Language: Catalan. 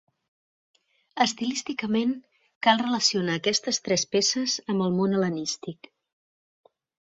Estilísticament, cal relacionar aquestes tres peces amb el món hel·lenístic.